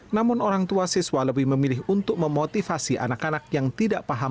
namun orang tua siswa lebih memilih untuk memotivasi anak anak yang tidak paham